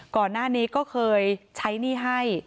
ก่อนหน้านี้ก็เคยใช้หนี้ให้